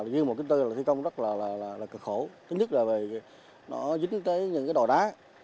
riêng một bốn là thi công rất là cực khổ thứ nhất là vì nó dính tới những cái đòi đá